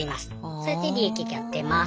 そうやって利益が出ます。